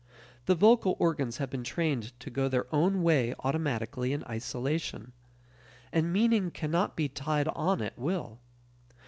The vocal organs have been trained to go their own way automatically in isolation; and meaning cannot be tied on at will.